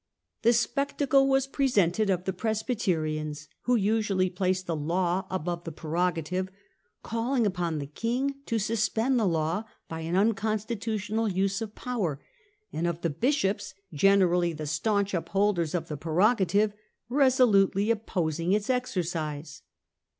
The spectacle was presented of the Presbyterians, who usually placed the law above the prerogative, calling upon the King to suspend the law by an unconstitutional use of power, and of the bishops, generally the staunch upholders of the preroga tive, resolutely opposing its exercise.